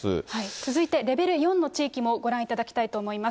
続いてレベル４の地域もご覧いただきたいと思います。